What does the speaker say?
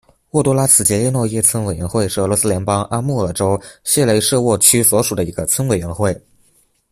沃多拉兹杰利诺耶村委员会是俄罗斯联邦阿穆尔州谢雷舍沃区所属的一个村委员会。